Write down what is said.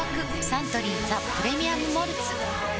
サントリー「ザ・プレミアム・モルツ」